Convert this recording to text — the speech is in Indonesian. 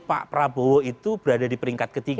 pak prabowo itu berada di peringkat ketiga